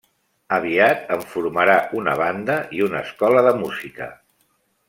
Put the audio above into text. Aviat en formarà una banda i una escola de música.